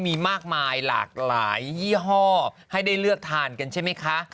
มีมากมายหลากหลายยี่ห้อให้ได้เลือกทานกันใช่ไหมคะ